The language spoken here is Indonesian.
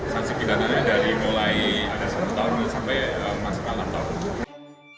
sanksi pidana dari mulai satu tahun sampai maksimal enam tahun